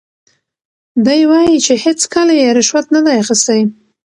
دی وایي چې هیڅکله یې رشوت نه دی اخیستی.